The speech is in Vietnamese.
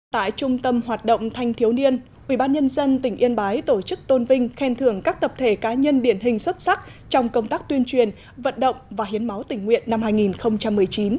tại trung tâm hoạt động thanh thiếu niên ubnd tỉnh yên bái tổ chức tôn vinh khen thưởng các tập thể cá nhân điển hình xuất sắc trong công tác tuyên truyền vận động và hiến máu tỉnh nguyện năm hai nghìn một mươi chín